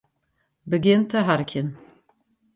Begjin te harkjen.